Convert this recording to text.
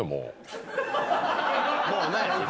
もうね。